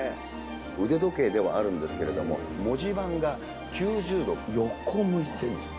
腕時計ではあるんですけれども、文字盤が９０度横向いてるんです。